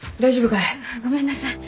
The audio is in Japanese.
ごめんなさい。